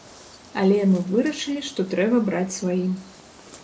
Але мы вырашылі, што трэба браць сваім.